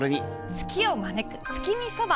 ツキを招く月見そば！